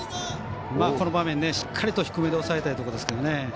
この場面、しっかりと低めで抑えたいところですね。